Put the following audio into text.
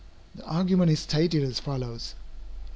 The argument is stated as follows.